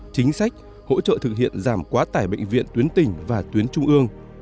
chính sách hỗ trợ thực hiện giảm quá tải bệnh viện tuyến tỉnh và tuyến trung ương